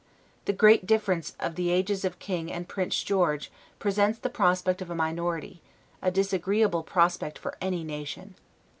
The great difference of the ages of the King and Prince George presents the prospect of a minority; a disagreeable prospect for any nation!